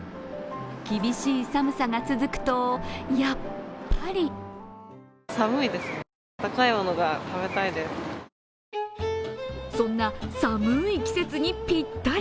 厳しい寒さが続くと、やっぱりそんな寒い季節にぴったり。